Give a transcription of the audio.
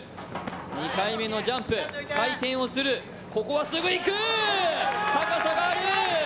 ２回目のジャンプ、回転をする、ここはすぐ行く、高さがある。